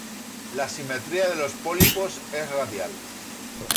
La simetría de los pólipos es radial.